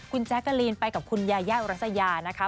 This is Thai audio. คุณแจ๊กกะลีนไปกับคุณยายาอุรัสยานะคะ